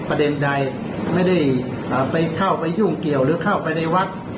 ประเด็นใดไม่ได้ไปเข้าไปยุ่งเกี่ยวหรือเข้าไปในวัด